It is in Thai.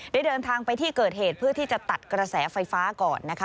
เดินทางไปที่เกิดเหตุเพื่อที่จะตัดกระแสไฟฟ้าก่อนนะคะ